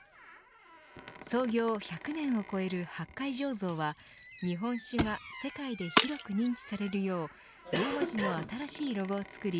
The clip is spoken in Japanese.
創業１００年を超える八海醸造は日本酒が世界で広く認知されるようローマ字の新しいロゴを作り